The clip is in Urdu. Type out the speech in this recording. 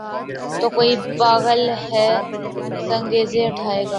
تو کوئی پاگل ہی سنگریزے اٹھائے گا۔